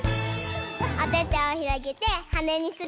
おててをひろげてはねにするよ。